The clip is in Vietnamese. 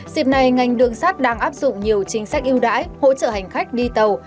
dịp này ngành đường sát đang áp dụng nhiều chính sách ưu đãi hỗ trợ hành khách đi tàu